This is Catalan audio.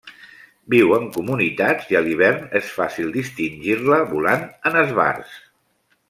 Viu en comunitats i a l'hivern és fàcil distingir-la volant en esbarts.